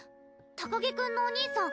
高木くんのお兄さん